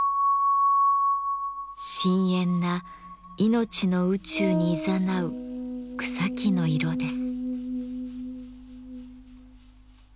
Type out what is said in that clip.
深えんないのちの宇宙にいざなう草木の色です。